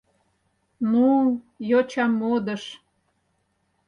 — Ну, йоча модыш...